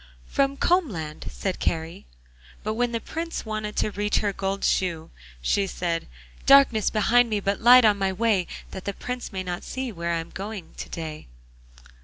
'From Combland,' said Kari. But when the Prince wanted to reach her her gold shoe, she said: 'Darkness behind me, but light on my way, That the Prince may not see where I'm going to day!